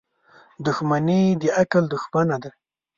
• دښمني د عقل دښمنه ده.